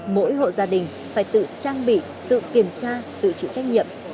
mỗi hộ gia đình phải tự trang bị tự kiểm tra tự chịu trách nhiệm